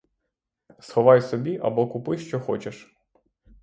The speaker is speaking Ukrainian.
Сховай собі або купи, що хочеш!